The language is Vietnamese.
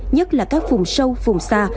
nhất là các vùng sâu vùng xa